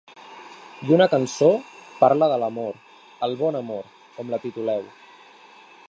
I una cançó parla de l’amor, el bon amor, com la tituleu.